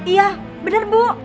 iya bener bu